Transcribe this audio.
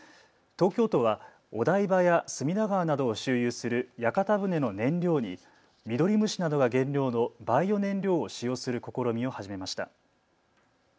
東京都はお台場や隅田川などを周遊する屋形船の燃料にミドリムシなどが原料のバイオ燃料を使用する試みを始めました。